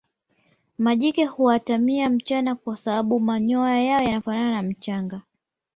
majike huatamia mchana kwa sababu manyoya yao yanafanana na mchanga